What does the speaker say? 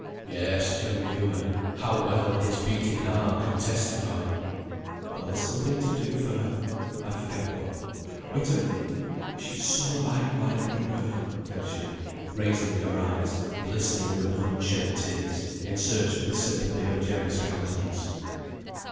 Yes, Jem knew her. How well, his beating heart could testify! "Well, there's something to do for her; I forget what; wait a minute! She is so like my little girl;" said she, raising her eyes, glistening with unshed tears, in search of the sympathy of Jem's countenance.